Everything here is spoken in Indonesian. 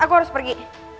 mas aku harus pergi